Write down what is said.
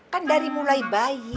kan dari mulai bayi